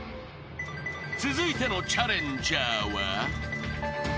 ［続いてのチャレンジャーは］